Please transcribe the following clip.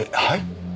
はい？